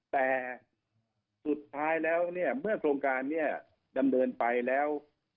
แต่สุดท้ายแล้วเมื่อโครงการดำเดินไปแล้ว